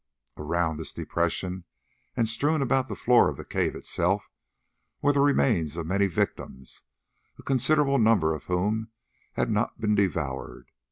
Around this depression, and strewn about the floor of the cave itself, were the remains of many victims, a considerable number of whom had not been devoured.